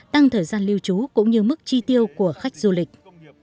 tăng thời gian lưu trú cũng như mức chi tiêu của khách du lịch